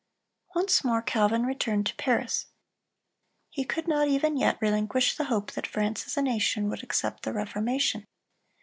Once more Calvin returned to Paris. He could not even yet relinquish the hope that France as a nation would accept the Reformation.